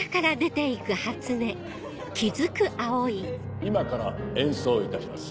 ・今から演奏いたします